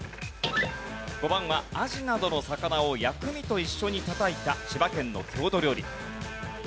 ５番はアジなどの魚を薬味と一緒にたたいた千葉県の郷土料理。